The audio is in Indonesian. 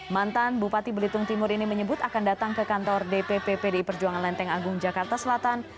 mantan bupati belitung timur ini menyebut akan datang ke kantor dpp pdi perjuangan lenteng agung jakarta selatan